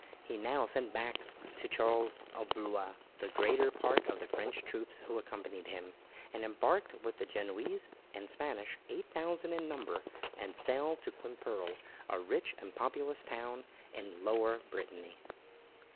He now sent back to Charles of Blois the greater part of the French troops who accompanied him, and embarked with the Genoese and Spanish, 8000 in number, and sailed to Quimperle, a rich and populous town in Lower Brittany.